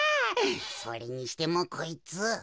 それにしてもこいつ。